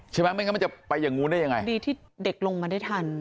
ไม่งั้นมันจะไปอย่างนู้นได้ยังไงดีที่เด็กลงมาได้ทัน